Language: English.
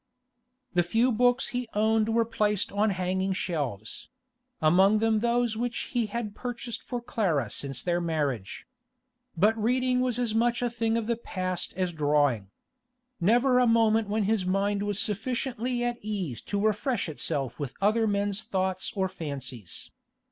The few books he owned were placed on hanging shelves; among them those which he had purchased for Clara since their marriage. But reading was as much a thing of the past as drawing. Never a moment when his mind was sufficiently at ease to refresh itself with other men's thoughts or fancies.